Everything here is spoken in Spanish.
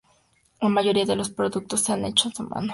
La mayoría de los productos son hechos a mano.